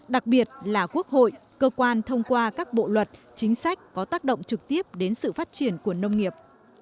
đặc biệt là quốc hội cơ quan thông qua các bộ luật chính sách có tác động trực tiếp đến sự phát triển của nông nghiệp